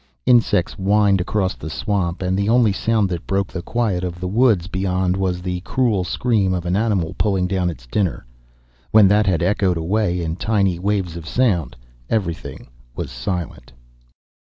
Insects whined across the swamp, and the only sound that broke the quiet of the woods beyond was the cruel scream of an animal pulling down its dinner. When that had echoed away in tiny waves of sound everything was silent.